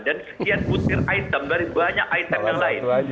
dan sekian putir item dari banyak item yang lain